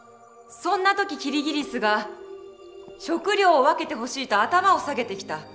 そんな時キリギリスが「食料を分けてほしい」と頭を下げてきた。